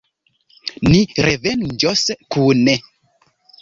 Ni revenĝos kune.